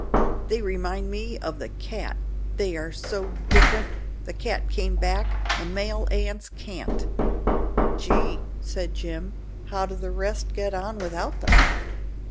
They remind me of the cat they are so different the cat came back the male ants can't." "Gee," said Jim, "how do the rest get on without them?"